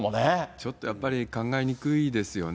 ちょっとやっぱり考えにくいですよね。